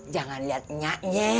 jangan liat nyak nye